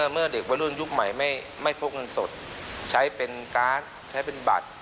เมื่อเด็กบร้อยร่วมยุคนใหม่ไม่พลงเงินสด